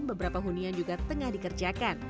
beberapa hunian juga tengah dikerjakan